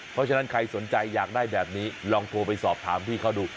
เพราะฉะนั้นใครสนใจอยากได้แบบนี้ลองโทรไปสอบถามพี่เขาดู